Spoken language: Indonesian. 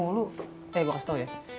eh gue harus tau ya